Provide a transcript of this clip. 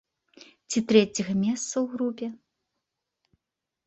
Ці трэцяга месца ў групе.